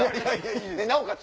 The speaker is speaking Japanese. なおかつ